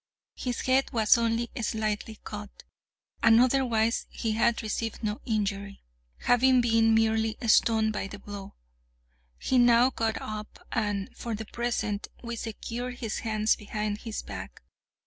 His head was only slightly cut, and otherwise he had received no injury, having been merely stunned by the blow. He now got up, and, for the present, we secured his hands behind his back.